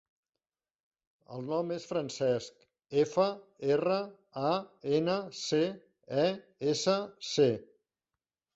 El nom és Francesc: efa, erra, a, ena, ce, e, essa, ce.